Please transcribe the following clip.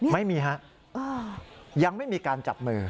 ไม่มีฮะยังไม่มีการจับมือ